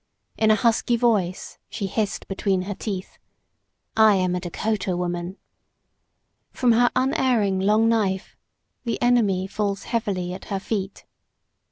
In a husky voice she hissed between her teeth, "I am a Dakota woman!" From her unerring long knife the enemy falls heavily at her feet.